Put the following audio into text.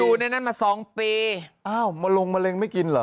อยู่ในนั้นมา๒ปี